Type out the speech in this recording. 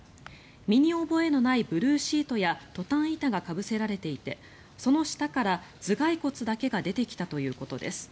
身に覚えのないブルーシートやトタン板がかぶせられていてその下から頭がい骨だけが出てきたということです。